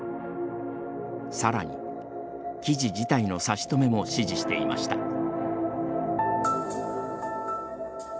さらに、記事自体の差し止めも指示していました。